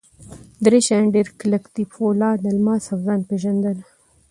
درې شیان ډېر کلک دي: پولاد، الماس اوځان پېژندنه.